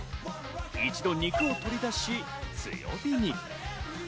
一度肉を取り出し、強火に。